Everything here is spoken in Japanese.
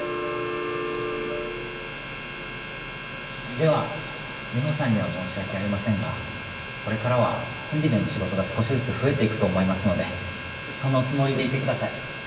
ではミホさんには申し訳ありませんがこれからはコンビでの仕事が少しずつ増えていくと思いますのでそのつもりでいて下さい。